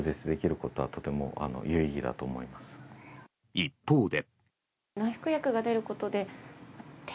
一方で。